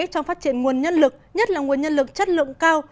trong phát triển nguồn nhân lực nhất là nguồn nhân lực chất lượng cao